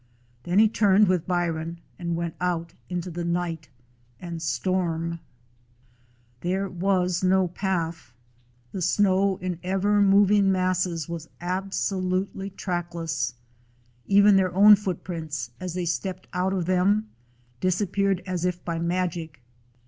Then he turned with Byron, and went out into the night and storm. 141 DOG HEROES OF MANY LANDS There was no path. The snow, in ever moving masses, was absolutely trackless. Even their own footprints, as they stepped out of them, disappeared as if by magic.